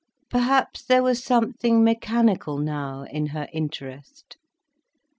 Perhaps there was something mechanical, now, in her interest.